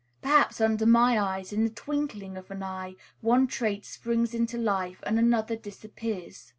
Perhaps, under my eyes, in the twinkling of an eye, one trait springs into life and another disappears.